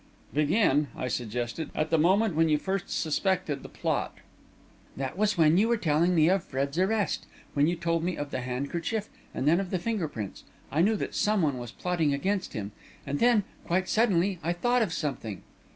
"Begin," I suggested, "at the moment when you first suspected the plot." "That was when you were telling me of Fred's arrest. When you told me of the handkerchief and then of the finger prints, I knew that someone was plotting against him. And then, quite suddenly, I thought of something."